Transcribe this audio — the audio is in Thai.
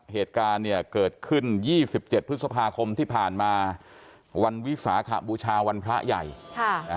เหตุการณ์เนี่ยเกิดขึ้นยี่สิบเจ็ดพฤษภาคมที่ผ่านมาวันวิสาขบุชาวันพระใหญ่ค่ะนะฮะ